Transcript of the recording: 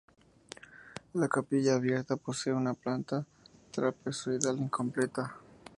La capilla abierta posee una planta trapezoidal, incompleta.